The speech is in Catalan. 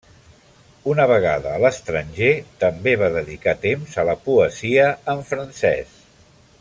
Una vegada a l'estranger també va dedicar temps a la poesia en francès.